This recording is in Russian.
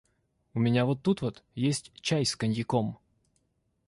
У меня вот тут вот есть чай с коньяком.